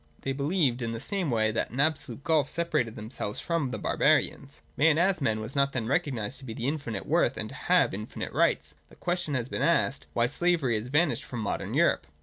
They believed in the same way that an absolute gulf separated themselves from the barbarians. Man as man was not then recognised to be of infinite worth and to have infinite rights. The question has been asked, why slavery has vanished from modern Europe.